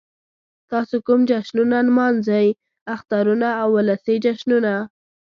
تاسو کوم جشنونه نمانځئ؟ اخترونه او ولسی جشنونه